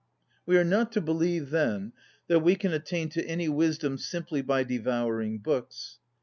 We are not to believe, then, that we can attain to any wisdom simply by devouring books.